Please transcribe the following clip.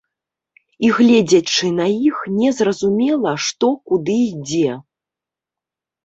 І гледзячы на іх, не зразумела, што куды ідзе.